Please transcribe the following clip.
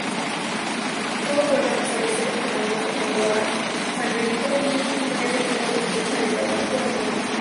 Tuvo como hermanos a Doce Terremoto-Jaguar Sangriento y a Nueve Flor-Flecha de Tabaco Ardiendo.